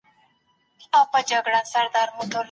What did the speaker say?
د شرعي دليل په شتون کي ښځه طلاق غوښتلی سي.